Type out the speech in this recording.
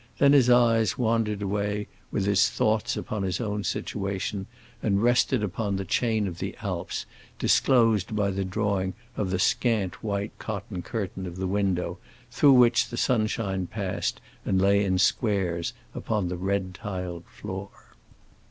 Then his eyes wandered away with his thoughts upon his own situation, and rested upon the chain of the Alps, disclosed by the drawing of the scant white cotton curtain of the window, through which the sunshine passed and lay in squares upon the red tiled floor.